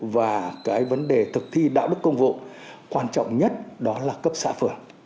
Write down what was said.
và cái vấn đề thực thi đạo đức công vụ quan trọng nhất đó là cấp xã phường